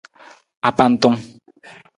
Apantung.